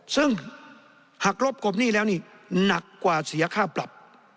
ซึ่งหักลบกบหนี้แล้วนี่หนักกว่าเสียค่าปรับ